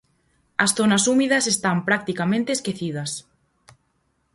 As zonas húmidas están practicamente esquecidas.